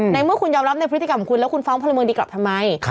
ในเมื่อคุณยอมรับในพฤติกรรมของคุณแล้วคุณฟ้องพลเมืองดีกลับทำไม